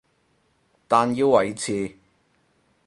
但要維持